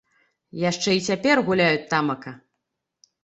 Яшчэ й цяпер гуляюць тамака.